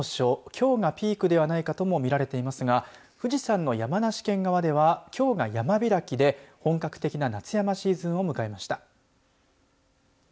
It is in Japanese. きょうがピークではないかとも見られていますが富士山の山梨県側ではきょうが山開きで本格的な夏山シーズンを迎えました。